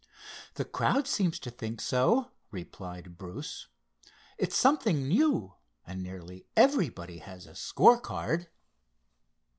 "The crowd seems to think so," replied Bruce. "It's something new, and nearly everybody has a score card."